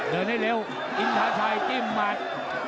เดินให้เร็วอินทาชัยจิ้มหมัด